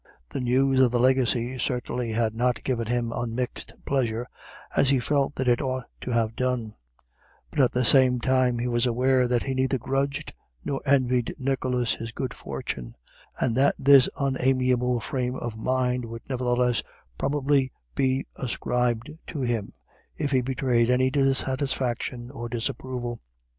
The news of the legacy certainly had not given him unmixed pleasure, as he felt that it ought to have done; but at the same time he was aware that he neither grudged nor envied Nicholas his good fortune, and that this unamiable frame of mind would nevertheless probably be ascribed to him, if he betrayed any dissatisfaction or disapproval.